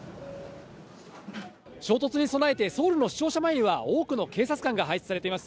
衝突に備えて、ソウルの市庁舎前には、多くの警察官が配置されています。